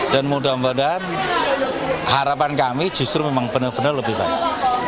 dan mudah mudahan harapan kami justru memang benar benar lebih baik